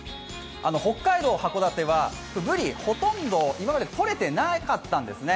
北海道・函館はブリ、ほとんど今までとれてなかったんですね。